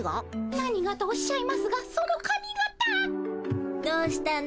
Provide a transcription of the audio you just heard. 「なにが？」とおっしゃいますがそのかみ形。どうしたの？